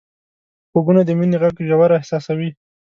غوږونه د مینې غږ ژور احساسوي